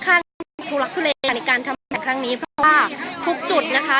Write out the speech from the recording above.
ข้างทุรกฤทธิ์ในการทำแผนครั้งนี้เพราะว่าทุกจุดนะคะ